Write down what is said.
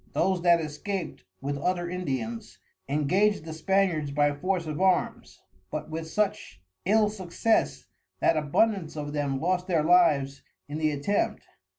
Those that escap'd, with other Indians, engaged the Spaniards by Force of Arms, but with such ill success, that abundance of them lost their Lives in the Attempt.